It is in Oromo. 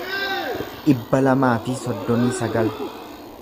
dhibba lamaa fi soddomii sagal